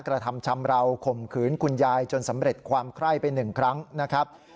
กระทำชำราวข่มขืนคุณยายจนสำเร็จความไคร้ไป๑ครั้งนะครับ